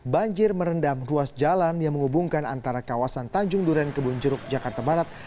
banjir merendam ruas jalan yang menghubungkan antara kawasan tanjung duren kebun jeruk jakarta barat